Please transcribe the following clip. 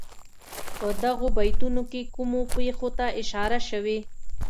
په دغو بیتونو کې کومو پېښو ته اشاره شوې.